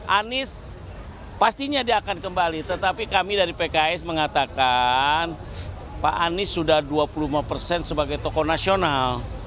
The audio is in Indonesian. anies pastinya dia akan kembali tetapi kami dari pks mengatakan pak anies sudah dua puluh lima persen sebagai tokoh nasional